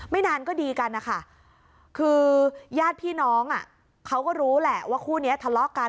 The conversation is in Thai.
นานก็ดีกันนะคะคือญาติพี่น้องเขาก็รู้แหละว่าคู่นี้ทะเลาะกัน